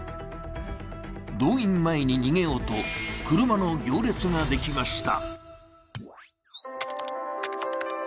動員前に逃げようと、車の行列ができました。